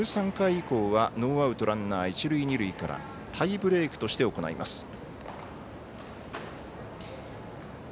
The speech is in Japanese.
１２回以降はノーアウトランナー、一塁二塁からタイブレークとして行います。